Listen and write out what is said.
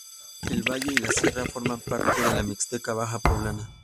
El valle y la sierra forman parte de la Mixteca Baja Poblana.